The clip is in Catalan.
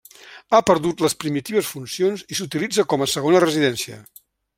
Ha perdut les primitives funcions i s'utilitza com a segona residència.